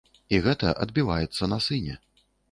І гэта адбіваецца на сыне.